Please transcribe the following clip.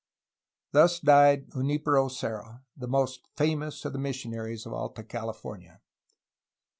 Thus died Junfpero Serra, most famous of the missionaries of Alta California.'